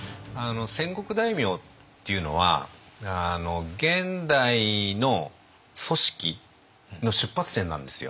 戦国大名っていうのは現代の組織の出発点なんですよ。